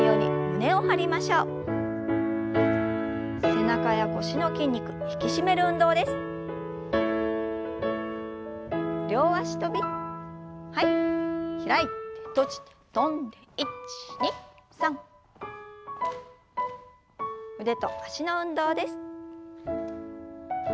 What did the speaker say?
腕と脚の運動です。